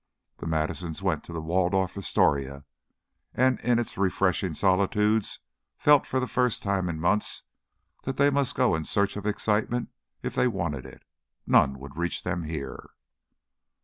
The Madisons went to the Waldorf Astoria, and in its refreshing solitudes felt for the first time in months that they must go in search of excitement if they wanted it; none would reach them here.